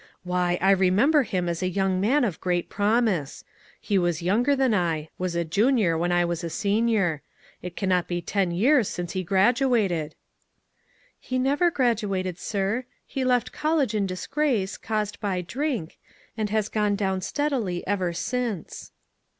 "Why, I remember him as a young man of great promise ; he was younger than I — was a junior when I was a senior. It can not be ten years since he graduated." "He never graduated, sir. He left col lege in disgrace, caused by drink, and hae gone down steadily ever since."